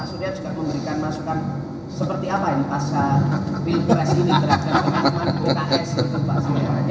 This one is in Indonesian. dan mungkin pak surya juga memberikan masukan seperti apa ini pasal pilpres ini terhadap teman teman pks itu pak surya